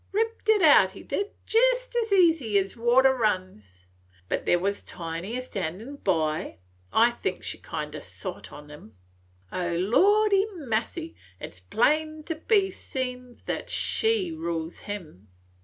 ripped it out, he did, jest as easy as water runs! But there was Tiny a standin' by; I think she kind o' sot him on. O lordy massy, it 's plain to be seen that she rules him.